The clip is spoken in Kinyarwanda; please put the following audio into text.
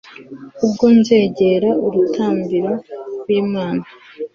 Ubwo nzegera urutambiro rw’Imana